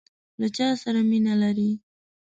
له چاسره مینه لرئ؟